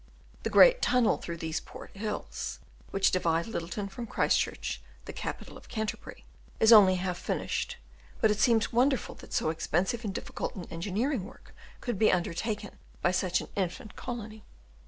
The great tunnel through these "Port Hills" (which divide Lyttleton from Christchurch, the capital of Canterbury) is only half finished, but it seems wonderful that so expensive and difficult an engineering work could be undertaken by such an infant colony.